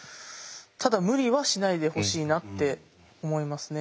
ただ無理はしないでほしいなって思いますね。